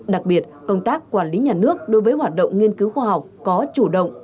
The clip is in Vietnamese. đặc biệt công tác quản lý nhà nước đối với hoạt động nghiên cứu khoa học có chủ động